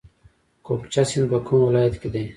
کوکچه سیند په کوم ولایت کې دی؟